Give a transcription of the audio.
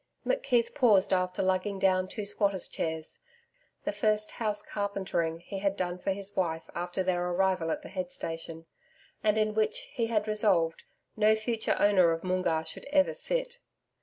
McKeith paused after lugging down two squatters' chairs the first house carpentering he had done for his wife after their arrival at the head station, and in which, he had resolved, no future owner of Moongarr should ever sit.